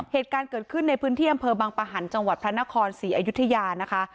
เหตุการณ์เกิดขึ้นในพื้นที่อำเภอบังปะหันต์จังหวัดพระนครศรีอยุธยานะคะ